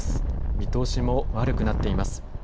見通しも悪くなっています。